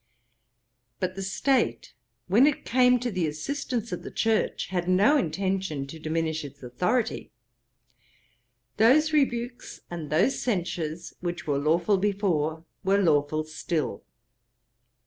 But the State, when it came to the assistance of the church, had no intention to diminish its authority. Those rebukes and those censures which were lawful before, were lawful still.